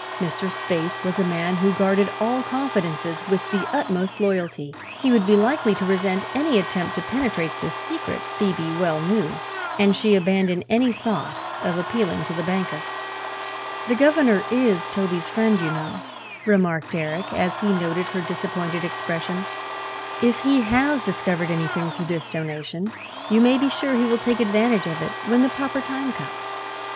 Mr. Spaythe was a man who guarded all confidences with the utmost loyalty. He would be likely to resent any attempt to penetrate this secret, Phoebe well knew, and she abandoned any thought of appealing to the banker. "The governor is Toby's friend, you know," remarked Eric, as he noted her disappointed expression. "If he has discovered anything, through this donation, you may be sure he will take advantage of it when the proper time comes."